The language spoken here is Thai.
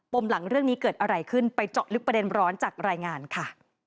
มหลังเรื่องนี้เกิดอะไรขึ้นไปเจาะลึกประเด็นร้อนจากรายงานค่ะ